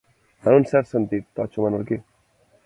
En un cert sentit, totxo menorquí.